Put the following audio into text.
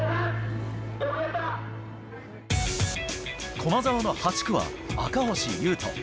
駒澤の８区は、赤星雄斗。